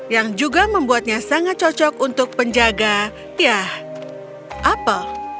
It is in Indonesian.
yang juga membuatnya sangat cocok untuk penjaga ya apel